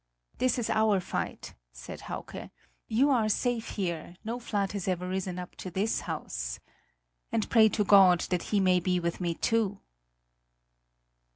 "This is our fight!" said Hauke, "you are safe here; no flood has ever risen up to this house. And pray to God that He may be with me too!"